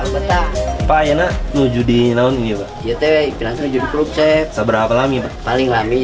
bapak apa yang harus dilakukan untuk membuat pindang ini